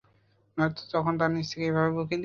নয়তো তখনও তার নিচ থেকে এভাবে উঁকি দিও।